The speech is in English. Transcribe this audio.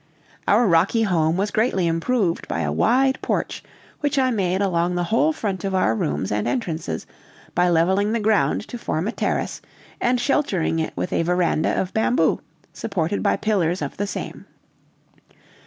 Our rocky home was greatly improved by a wide porch which I made along the whole front of our rooms and entrances, by leveling the ground to form a terrace, and sheltering it with a veranda of bamboo, supported by pillars of the same.